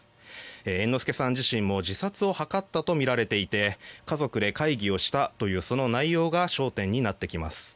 猿之助さん自身も自殺を図ったとみられていて家族で会議をしたというその内容が焦点になってきます。